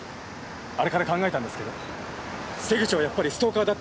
あれから考えたんですけど瀬口はやっぱりストーカーだったんです。